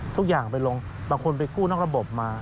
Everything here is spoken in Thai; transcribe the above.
ทุกอย่างไปลงบางคนไปกู้นอกระบบมา